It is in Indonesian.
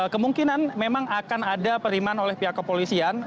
kemungkinan memang akan ada periman oleh pihak kepolisian